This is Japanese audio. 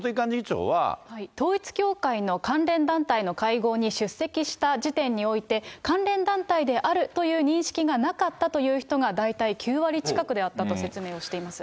統一教会の関連団体の会合に出席した時点において、関連団体であるという認識がなかったという人が、大体９割近くであったと説明をしています。